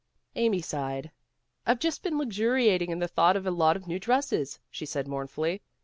Amy sighed. "I'd just been luxuriating in the thought of a lot of new dresses," she said mournfully.